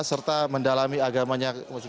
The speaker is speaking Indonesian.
serta mendalami agamanya